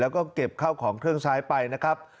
แล้วก็เก็บข้าวของเครื่องใช้ไปนะครับ